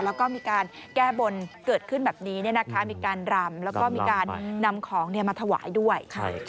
แล้วก็มีการแก้บนเกิดขึ้นแบบนี้มีการรำแล้วก็มีการนำของมาถวายด้วย